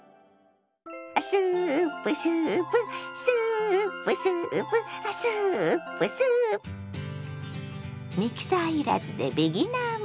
「スープスープスープスープ」「スープスー」ミキサー要らずでビギナー向け。